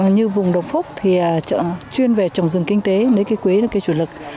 như vùng đồng phúc thì chuyên về trồng rừng kinh tế nơi cây quế là cây chủ lực